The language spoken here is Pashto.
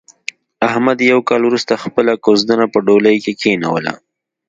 احمد یو کال ورسته خپله کوزدنه په ډولۍ کې کېنوله.